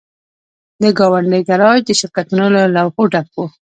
د ګاونډۍ ګراج د شرکتونو له لوحو ډک و